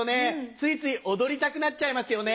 ついつい踊りたくなっちゃいますよね。